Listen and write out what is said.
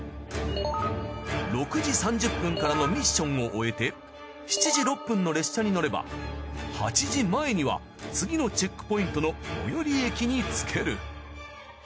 ６時３０分からのミッションを終えて７時６分の列車に乗れば８時前には次のチェックポイントの最寄り駅につける。